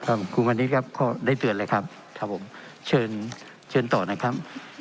ครูวันนี้ครับก็ได้เตือนเลยครับครับผมเชิญเชิญต่อนะครับ